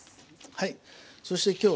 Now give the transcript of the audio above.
はい。